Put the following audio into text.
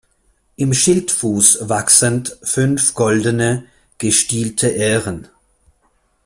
Im Schildfuß wachsend fünf goldene gestielte Ähren.